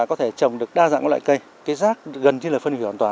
có tảng như vậy và không có mùi